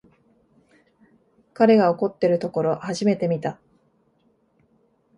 彼が怒ってるところ初めて見た